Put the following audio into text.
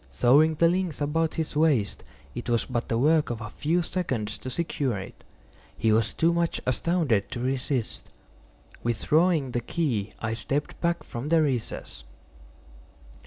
Throwing the links about his waist, it was but the work of a few seconds to secure it. He was too much astounded to resist. Withdrawing the key I stepped back from the recess.